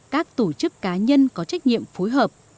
các tổ chức cá nhân có trách nhiệm phối hợp